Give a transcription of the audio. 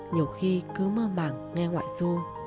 nhiều khi cứ mơ màng nghe ngoại ru